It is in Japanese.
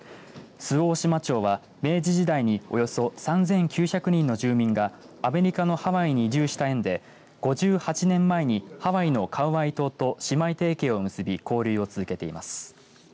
周防大島町は明治時代におよそ３９００人の住民がアメリカのハワイに移住した縁で５８年前にハワイのカウアイ島と姉妹提携を結び、交流を続けています。